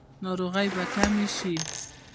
ناروغۍ به کمې شي؟